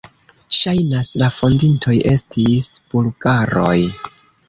Ŝajnas, la fondintoj estis bulgaroj.